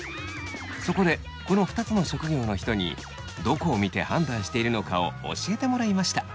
そこでこの２つの職業の人にどこを見て判断しているのかを教えてもらいました。